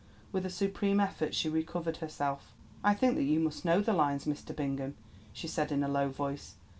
With a supreme effort she recovered herself. "I think that you must know the lines, Mr. Bingham," she said in a low voice.